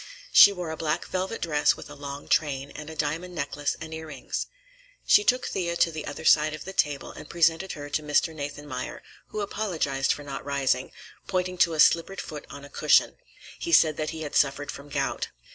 She wore a black velvet dress with a long train, and a diamond necklace and earrings. She took Thea to the other side of the table and presented her to Mr. Nathanmeyer, who apologized for not rising, pointing to a slippered foot on a cushion; he said that he suffered from gout.